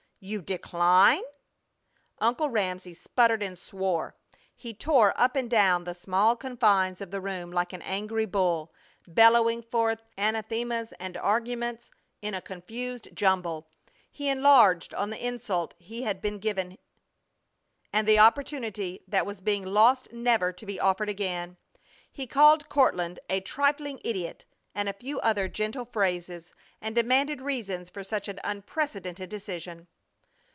You decline?" Uncle Ramsey spluttered and swore. He tore up and down the small confines of the room like an angry bull, bellowing forth anathemas and arguments in a confused jumble. He enlarged on the insult he had been given, and the opportunity that was being lost never to be offered again. He called Courtland a "trifling idiot," and a few other gentle phrases, and demanded reasons for such an unprecedented decision.